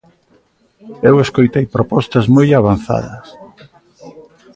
Eu escoitei propostas moi avanzadas.